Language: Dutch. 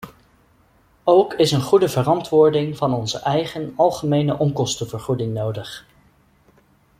Ook is een goede verantwoording van onze eigen algemene onkostenvergoeding nodig.